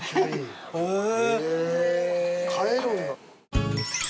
へえ。